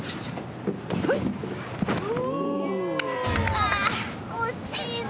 ああ惜しいな。